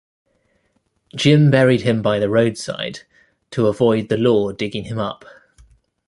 Jim buried him by the roadside to avoid the law digging him up.